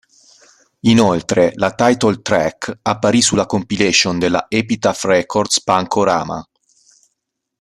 Inoltre la title track apparì sulla compilation della Epitaph Records' Punk-O-Rama.